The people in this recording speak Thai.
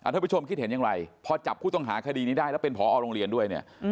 ถ้าประชมคิดเห็นอย่างไรพอจับผู้ต้องหาคณิตนี้ได้แล้วหรือเป็นพออ่อโรงเรียนด้วย